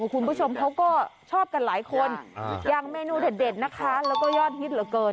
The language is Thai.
คุณผู้ชมเขาก็ชอบกันหลายคนอย่างเมนูเด็ดนะคะแล้วก็ยอดฮิตเหลือเกิน